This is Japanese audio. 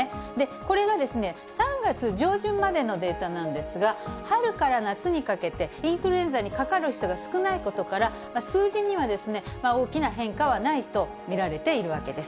これが３月上旬までのデータなんですが、春から夏にかけてインフルエンザにかかる人が少ないことから、数字には大きな変化はないと見られているわけです。